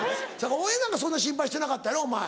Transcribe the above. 大江なんかそんな心配してなかったやろお前。